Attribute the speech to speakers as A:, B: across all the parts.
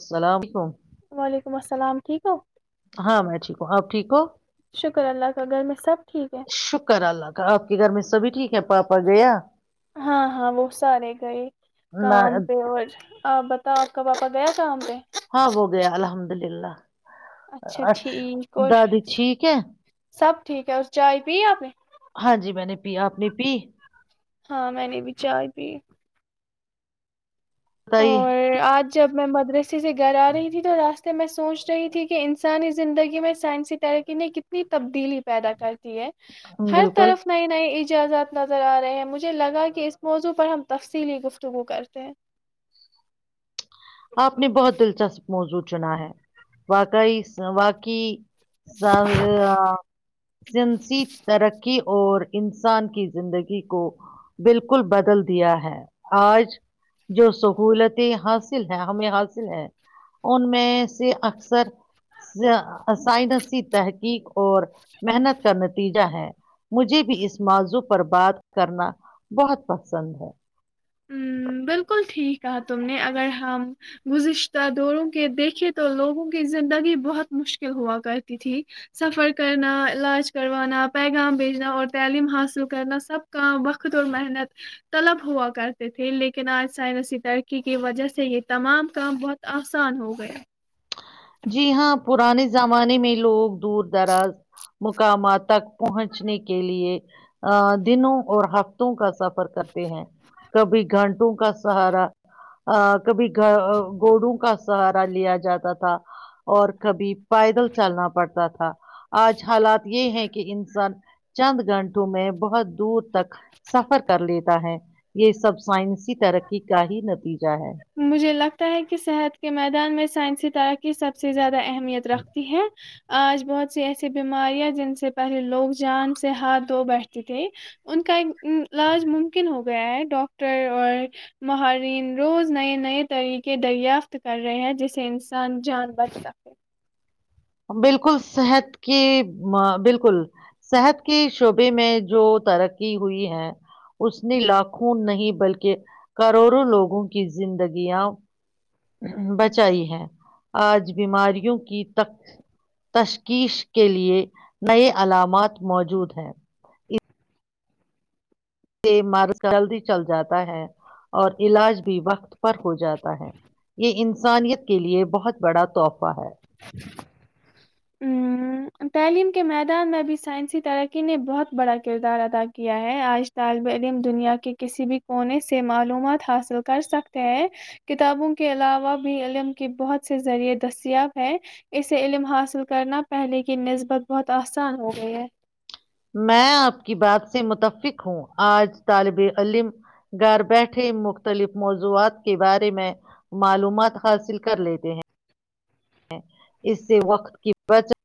A: السلام علیکم [unintelligible]
B: وعلیکم السلام ٹھیک ہو
A: ہاں میں ٹھیک ہوں آپ ٹھیک ہو [unintelligible]
B: شکر اللہ کا گھر میں سب ٹھیک ہے
A: شکر اللہ کا آپ کے گھر میں سبھی ٹھیک ہے پاپا گیا
B: ہاں ہاں وہ سارے گئے
A: نہ
B: کام پہ اور آپ تو آپ کا پاپا گیا شام پہ [unintelligible]
A: ہاں وہ گیا الحمد للہ اچھا
B: ٹھیک اور
A: دادی ٹھیک ہے [unintelligible]
B: سب ٹھیک ہے اس چائے پیے اپنی
A: ہاں جی میں نے پی اپنی پی
B: ہاں میں نے بھی چائے پی
A: بت ہی [unintelligible]
B: اور آج جب میں مدرسے سے گھر آ رہی تھی تو راستے میں سوچ رہی تھی کہ انسانی زندگی میں سائنسی ترقی نے کتنی تبدیلی پیدا کرتی ہے ہر
A: بالکل
B: طرف نئی نئی جزاد نظر آ رہے ہیں مجھے لگا کہ اس موضوع پر ہم تفصیلی گفتگو کرتے ہیں
A: آپ نے بہت دلچسپ موجود چنا ہے واقعی واقعی سنسی ترقی اور انسان کی زندگی کو بالکل بدل دیا ہے آج جو سہولتیں حص حاصل ہے ہمیں حاصل ہے ان میں سے اکثرائنسی تحقیق اور محنت کا نتیجہ ہے مجھے بھی اس موضوع پر بات کرنا بہت پسند ہے
B: ہ بالکل ٹھیک کہا تم نے اگر ہم گذشتہ دوروں کے دیکھے تو لوگوں کی زندگی بہت مشکل ہوا کرتی تھی سفر کرنا علاج کروانا پیغام بھیجنا اور تعلیم حاصل کرنا سب کا وقت اور محنت طلب ہوا کر تھے لیکن آج سائنسی ترقی کی وجہ سے یہ تمام کام بہت آسان ہو گیا
A: جی ہاں پرانے زمانے میں لوگ دور دراز مقامات تک پہنچنے کے لیے ا دنوں اور ہفتوں کا سفر کرتے ہیں کبھی گھنٹوں کا سہارا کبھی گ گوڑوں کا سر لیا جاتا تھا اور کبھی پیدل چلنا پڑتا تھا آج حالات یہ ہے کہ انسان چند گھنٹوں میں بہت دور تک سفر کر لیتا ہے یہ سب سائنسی ترقی کا ہی نتیجہ ہے
B: مجھے لگتا ہے کہ صحت کے میدان میں سائنسی ترقی سب سے زیادہ اہمیت رکھتی ہے آج بہت سی ایسی بیماریاں جن سے پہلے لوگ جان سے ہاتھ دھو بیٹھتی تھھی ان کا علاج ممکن ہو گیا ہے ڈاکٹر اور مہرین روز نئے نئے طریقے دریافت کر رہے ہیں جس سے انسان جان بچ سکے
A: بالکل صحت کی بالکل صحت کے شعبے میں جو ترقی ہوئی ہے اس نے لاکھوں نہیں بلکہ کروڑوں لوگوں کی زندگیاں بچائی ہے آج بیماریوں کی [unintelligible] تشخیص کے لیئے نئے علامات موجود ہیں اس سے مرد جلدی چل جاتا ہے اور علاج بھی وقت ر ہو جاتا ہے یہ ان سے [unintelligible] انسانیت کے لیے بہت بڑا تحفہ [unintelligible]
B: ہ تعلیم [unintelligible] کے میدان میں بھی سائنسی ترقی نے بہت بڑا کردار ادا کیا ہے آج طالب علم دنیا کے کسی بھی کونے سے معلومات حاصل کر سکتے ہیں کتابوں کے علاوہ بھی علم کے بہت سے ذریعے دستیاب ہے اسے علم حاصل کرنا پہلے کی نسبت بہت آسان ہو گئی ہے
A: میں آپ کی بات سے متفق ہوں آج طالب علم گھر بیٹھے مختلف موضوعات کے بارے میں معلومات حاصل کر لیتے ہیں اس سے وقت کی بچت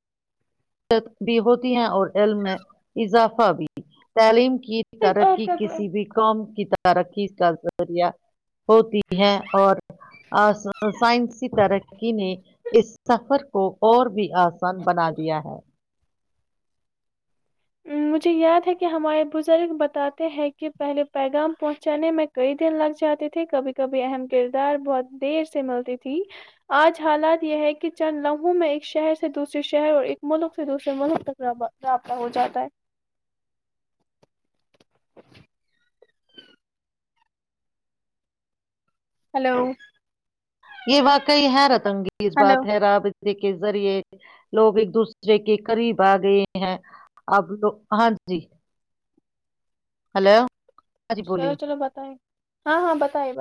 A: ت بھی ہوتی ہیں اور علم میں اضافہ بھی تعلیم کے کی
B: صرف آپ
A: ترقی
B: کا
A: کسی بھی قوم کی طرح ترقی کا ذریعہ ہوتی ہے اور سائنسی ترقی نے اس سفر کو اور بھی آسان بنا کیا ہے
B: مجھے یاد ہے کہ ہمارے بزرگ بتاتے ہیں کہ پہلے پیغام پہنچانے میں کئی دن لگ جاتے تھے کبھی کبھی اہم کردار بہت دیر سے ملتی تھی آج حالات یہ ہے کہ چند لمہوں میں ایک شہر سے دوسرے شہر اور ایک ملک سے دوسرے ملک تک رابطہ ہو جاتا [unintelligible] ہلو
A: یہ واقعی ہے رت انگیز بات
B: ہلو
A: ہے راب کے ذریعے لوگ ایک دوسرے کے قریب آ گئے ہیں ابو ہاں جی ہلو
B: چلو چلو بتائیں ہاں ہاں بتائے ب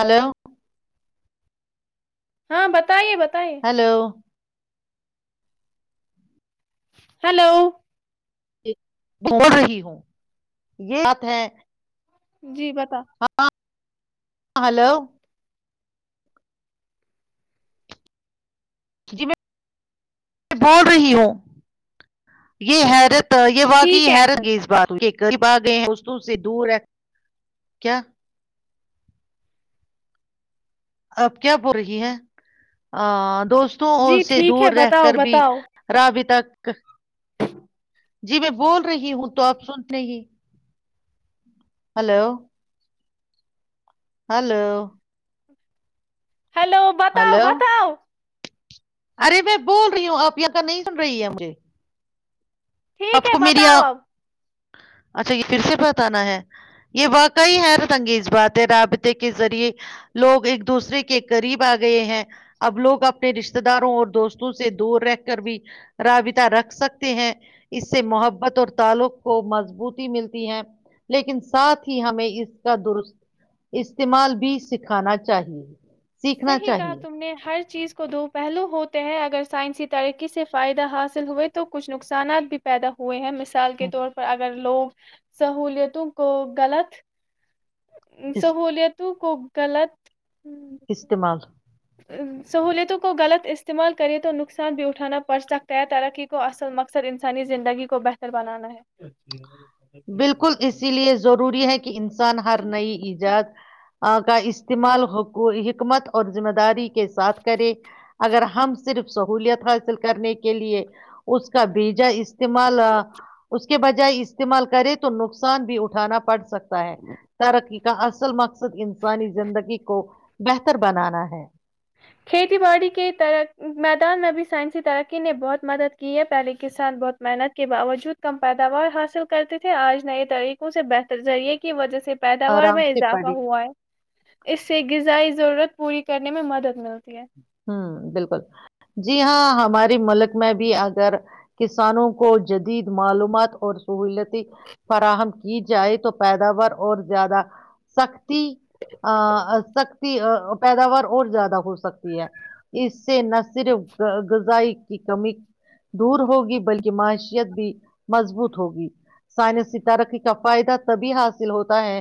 A: ہیلو
B: ہاں بتائیے ب
A: ہلو
B: ہلو
A: ول رہی ہوں یہ بات ہے
B: جی بتا
A: ہاں ہلو جی میں بول رہی ہوں یہ حیرت تو یہ واقع
B: ٹھیک ہے
A: حیرتگ اس بات قریب آ گئے ہیں اس سے دور ہے کیا آپ کیا بول رہی ہیں آ دوستوں
B: جی
A: سے
B: ٹھیک
A: دور
B: ہے
A: رہ
B: بتاؤ
A: کر بھی
B: بتاؤ
A: راب تک ک جی میں بول رہی ہوں تو آپ سنتے ہی ہلو ہلو
B: ہیلو بتاؤ
A: ہلو
B: بتاؤ
A: ارے میں بول رہی ہوں آپ یہ کا نہیں سن رہی ہے مجھے
B: ٹھیک
A: آپ
B: ہے
A: کو میری
B: بتاؤ
A: آ-
B: اب
A: اچھا یہ پھر سے بتانا ہے یہ واقعی حیرت انگیز بات ہے رابطے کے ذریعے لوگ ایک دوسرے کے قریب آ گئے ہیں اب لوگ اپنے رشتے داروں اور دوستوں سے دور رہ کر بھی رابطہ رکھ سکتے ہیں اس سے محبت اور تعلق کو مضبوطی ملتی ہے لیکن ساتھ ہی ہمیں اس کا درست استعمال بھی سکھانا چاہیے سیکھنا
B: صحیح کہا
A: چاہیے
B: تم نے ہر چیز کو دو پہلو ہوتے ہیں اگر سائنسی ترقی سے فائدہ حاصل ہوئے تو کچھ نقصانات بھی پیدا ہوئے ہیں م مثال کے
A: ہم،
B: طور پر اگر لوگ سہلیتوں کو غلط
A: اس
B: سہولت کوگلت ہ
A: استعمال
B: سہوولتوں کو غلط استعمال کرے تو نقصان بھی اٹھانا پڑ سکتا ہے ترقی کو اصل مقصد انسانی زندگی کو بہتر بنانا ہے
A: بالکل اسی لیے ضروری ہے کہ ان ہر
B: ہے
A: نئی ایجاد کا استعمال حقوق حکت اور ذمہ داری کے ساتھ کرے اگر ہم صرف سہولت حاصل کرنے کے لیے اس کا بیجا استعمال اس کے بجائے استعمال کرے تو نقصان سان بھی اٹھانا پڑ سکتا ہے ترقی کا اصل مقصد انسانی زندگی کو بہتر بنانا ہے
B: کھیتی باڑی کےر میدان میں بھی سائنسی ترقی نے بہت مدد کی ہے پہلے کسان بہت محنت کے باوجود کم پیداوار حاصل کرتے تھے آج نئے طریقوں سے بہتر ذریعے کی وجہ سے پیداوار
A: آرام
B: میں
A: سے
B: اضافہ
A: پڑھیں
B: ہوا ہے اس سے غذائی ضرورت پوری کر میں مدد ہ
A: ہوں بالکل جی ہاں ہماری ملک میں بھی اگر کسانوں کو جدید معلومات اور سہولت فراہم کی جائے تو پیداوار اور زیادہ سختی سختی پیداوار اور زیادہ ہو سکتا اس سے نہ صرف غذائی کی کمی دور ہوگی بلکہ معیشیت بھی مضبوط ہوگی سائنسی ترقی کا فائدہ تبھی حاصل ہوتا ہے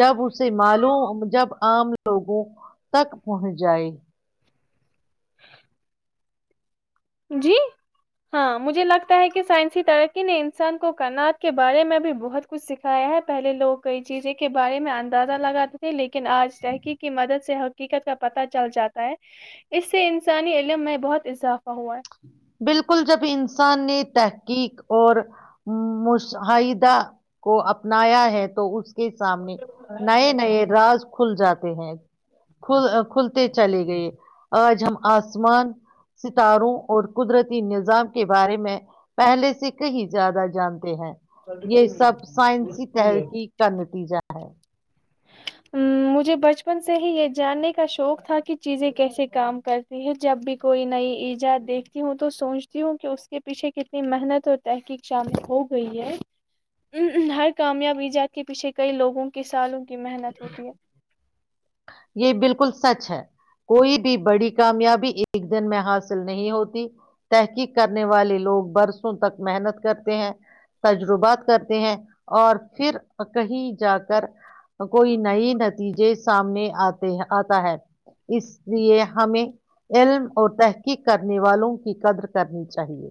A: جب اسے مالوم جب عام لوگوں تک پہنچ جائے
B: جی ہاں مجھے لگتا ہے کہ سائنسی ترقی نے انسان کو کناعات کے بارے میں بھی بہت کچھ سکھایا ہے پہلے لوگ کئی چیزیں کے بارے میں اندازہ لگاتے تھے لیکن آج تحقیق کی مدد سے حقیقت کا پتہ چل جاتا ہے اس سے انسانی علم میں بہت اضافہ ہوا ہے
A: بالکل جب انسان نے طے حقق اور مشاہدہ کو اپنایا ہے تو اس کے سامنے نئے نئے رج کھل جاتے بہت کل کھلتے چلے گئے آج ہم آسمان ستاروں اور قدرتی نظام کے بارے میں پہلے سے کہیں زیادہ جانتے ہیں یہ سب سائنسی تحرقی کا نتیجہ ہے [inaudible]
B: مجھے بچپن سے ہی یہ جاننے کا شوق تھا کہ چیزیں کیسے کام کرتی ہے جب بھی کوئی نئی ایجاد دیکھتی ہوں تو سوچتی ہوں کہ اس کے پیچھے کتنی محنت اور تحقیق شامل ہو گئی ہے ا ہر کامیاب ایجاد کے پیچھے کئی لوگوں کے سالوں کی محنت ہوتی
A: یہ بالکل سچ ہے کوئی بھی بڑی کامیابی ایک دن میں حاصل نہیں ہوتی تحقیق کرنے والے لوگ برسوں تک محنت کرتے ہیں تجربات کرتے ہیں اور پھر کہیں جا کر کوئی نئی نتیجے سامنے آتے آتا ہے اس لیے ہمیں علم اور تحقیق کرنے والوں کی قدر کرنی چاہیے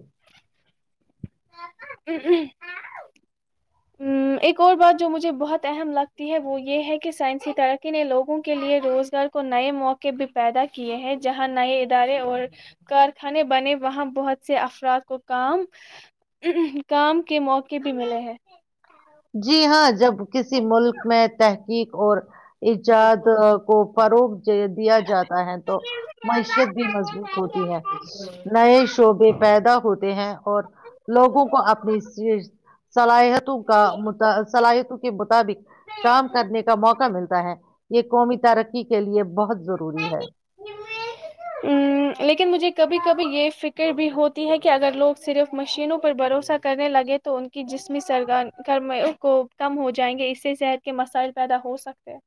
B: ا ہ ا ایک اور بات جو مجھے بہت اہم لگتی ہے وہ یہ ہے کہ سائنسی ترقی نے لوگوں کے لیئے روزگار کو نئے موقع بھی پیدا کیے ہیں جہاں نئے ادارے اور کارخانے بنے وہاں بہت سے افراد کو کام اہ کام کے موقع بھی ملے ہیں
A: جی ہاں جب کسی ملک میں تحقیق اور ایجاد کو فروغ دیا جاتا ہے تو معیشت بھی مضبوط ہوتی ہے نئے شعبے پیدا ہوتے ہیں اور لوگوں کو اپنی صلاحیتوں کو مطابق کام کرنے کا موقع ملتا ہے یہ قومی ترقی کے لیئے بہت ضروری ہے
B: لیکن مجھے کبھی کبھی یہ فکر بھی ہوتی ہے کہ اگر لوگ صرف مشینوں پر بھروسہ کرنے لگے تو ان کی جسمیرگر کو کم ہو جائیں گے اس سے صحت کے مسائل پیدا ہو سکتے ہیں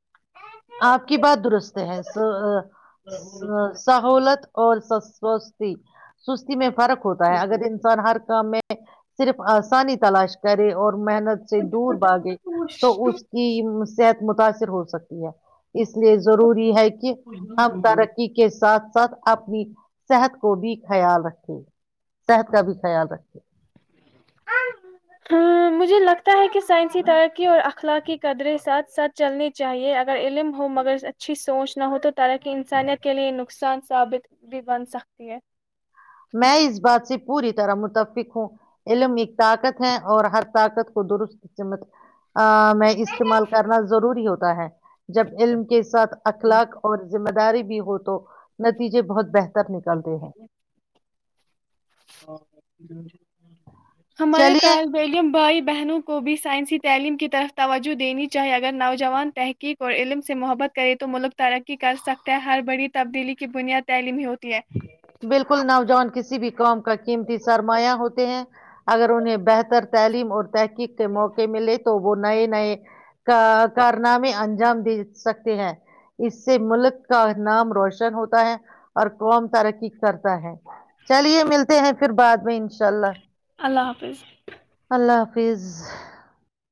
A: آپ کی بات درست ایس ا سہولت اور سستی سستی میں فرق ہوتا ہے اگر انسان ہر کام میں صرف آسانی تلاش کریں اور محنت سے دور باگے تو اس کی صحت متاثر ہو سکتا یا اس لیے ضروری ہے کہ ہم ترقی کے ساتھ ساتھ اپنی صحت کو بھی خیال رکھے صحت کا بھی خیال رکھیں
B: مجھے لگتا ہے کہ سائنسی ترقی اور اخلاقی قدریں ساتھ ساتھ چلنی چاہیے اگر علم ہو مگر اچھی سوچ نہ ہو تو تراکی انسانیت کے لیے نقصان ثابت بھی بن سکتی ہے
A: میں اس بات سے پوری طرح متفق ہوں علم ایک طاقت ہے اور ہر طاقت کو درستت میں استعمال کرنا ضروری ہوتا ہے جب علم کے ساتھ اخلاق اور م د بھی ہو تو نتیجے بہت بہتر پتر نکلتے ہیں
B: [inaudible] ہمارے
A: چلیے
B: طالب علم بھائی بہنوں کو بھی سائنسی تعلیم کی طرف توجہ دینی چاہیے اگر نوجوان تحقیق اور علم سے محبت کرے تو ملک ترقی کر سکتے ہیں ہر بڑی تبدیلی کی بنیاد تعلیم ہی ہوتی ہے
A: بالکل نوجوان کسی بھی قوم کا قیمتی سرمایہ ہوتے ہیں اگر انہیں بہتر تعلیم اور تحقیق کے موقع ملے تو وہ نئے نئے کارنامے انجام دے سکتے ہیں اس سے ملک کا نام روشن ہوتا ہے اور قوم ترقی کرتا ہے چلیے ملتے ہیں پھر بعد میں انشاء اللہ
B: اللہ حافظ
A: اللہ حفظ [unintelligible] فض [unintelligible]